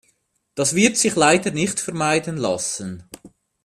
Das wird sich leider nicht vermeiden lassen.